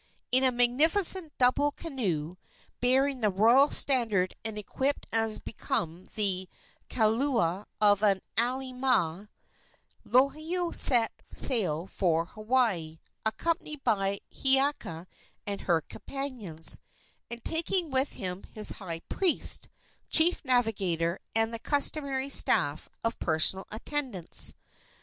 In a magnificent double canoe, bearing the royal standard and equipped as became the kaulua of an alii nui, Lohiau set sail for Hawaii, accompanied by Hiiaka and her companions, and taking with him his high priest, chief navigator, and the customary staff of personal attendants.